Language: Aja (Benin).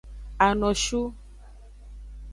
Anoshu.